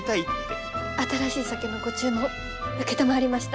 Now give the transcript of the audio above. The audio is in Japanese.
新しい酒のご注文承りました。